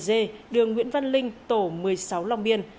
hai nghìn chín trăm một mươi bảy g đường nguyễn văn linh tổ một mươi sáu long biên